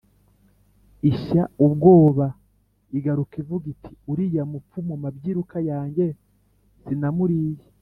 ishya ubwoba, igaruka ivuga iti «uriya mupfu mu mabyiruka yanjye sinamuriye